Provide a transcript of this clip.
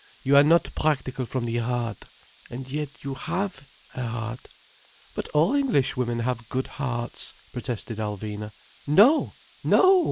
You are not practical from the heart. And yet you have a heart." "But all Englishwomen have good hearts," protested Alvina. "No! No!"